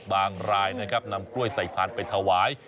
บางรายนะครับนำกล้วยไส้พันธุ์ไปถวาย